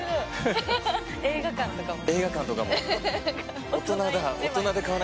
映画館とかもね。